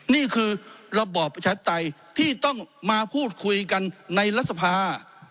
นี่คือระบอบประชาธิปไตยที่ต้องมาพูดคุยกันในรัฐสภา